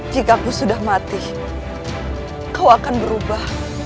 jika aku sudah mati kau akan berubah